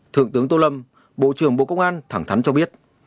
thượng tướng tô lâm bộ trưởng bộ công an thẳng thắn cho biết